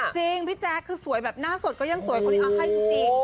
จริงพี่แจ๊คคือสวยแบบหน้าสดก็ยังสวยคนนี้เอาให้จริง